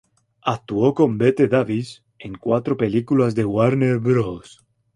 Actuó con Bette Davis en cuatro películas de Warner Bros.